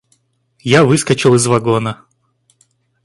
Я выскочил из вагона.